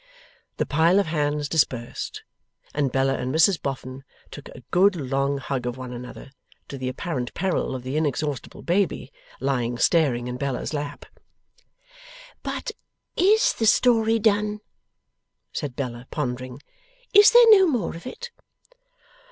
The pile of hands dispersed, and Bella and Mrs Boffin took a good long hug of one another: to the apparent peril of the inexhaustible baby, lying staring in Bella's lap. 'But IS the story done?' said Bella, pondering. 'Is there no more of it?